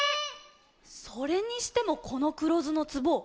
それにしてもこのくろずのつぼ